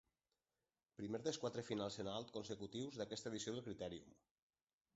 Primer dels quatre finals en alt consecutius d'aquesta edició del Critèrium.